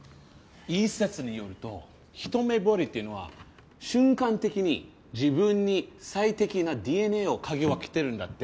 一説によると一目惚れっていうのは瞬間的に自分に最適なＤＮＡを嗅ぎ分けてるんだって。